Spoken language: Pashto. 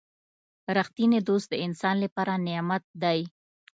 • رښتینی دوست د انسان لپاره نعمت دی.